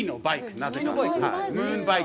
ムーンバイク？